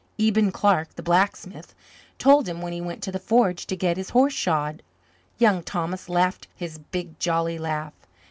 Eben Clark, the blacksmith, told him when he went to the forge to get his horse shod. Young Thomas laughed his big jolly laugh.